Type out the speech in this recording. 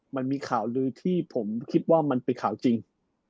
มันมีข่าวลือที่ผมคิดว่ามันเป็นข่าวจริง